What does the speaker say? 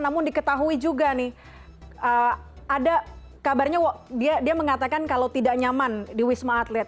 namun diketahui juga nih ada kabarnya dia mengatakan kalau tidak nyaman di wisma atlet